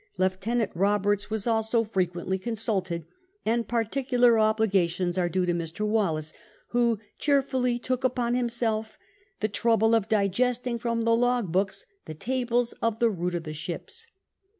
Lieutenant Koberts X THE OFFICIAL NARRATIVE nr was also "frequently consulted/' *and particular obliga tions are due to Mr. Wallis, who " cheerfully took upon himself the trouble of digesting from the log books the tables of the route of the ships."